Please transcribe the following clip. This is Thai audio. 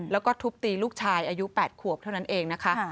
แล้วก็ทุบตีลูกชายอายุ๘ขวบเท่านั้นเองนะคะ